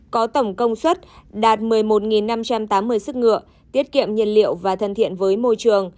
có tổng công suất đạt một mươi một năm trăm tám mươi sức ngựa tiết kiệm nhiên liệu và thân thiện với môi trường